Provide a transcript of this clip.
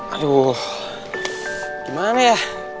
aduh gimana ya